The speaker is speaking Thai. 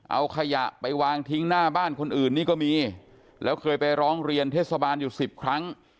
เอาขยะไปวางทิ้งหน้าบ้านคนอื่นนี่ก็มีแล้วเคยไปร้องเรียนเทศบาลอยู่สิบครั้ง